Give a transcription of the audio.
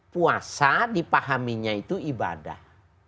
puasa dipahaminya itu ibadah